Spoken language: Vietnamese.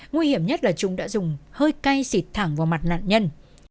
nguy hiểm nhất là chúng đã dùng hơi cay xịt thẳng vào mặt nạn nhân